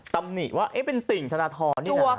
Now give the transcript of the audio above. ตำหนิว่าเป็นติ่งธนทรนี่นะ